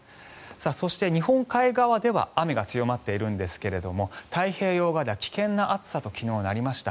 そして、日本海側では雨が強まっているんですけれども太平洋側では危険な暑さと昨日はなりました。